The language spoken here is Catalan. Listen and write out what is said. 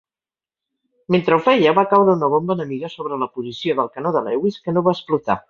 Mentre ho feia, va caure una bomba enemiga sobre la posició del canó de Lewis que no va explotar.